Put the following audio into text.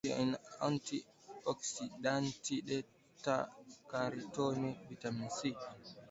nyuzinyuzi anti oksidanti beta karotini vitamini c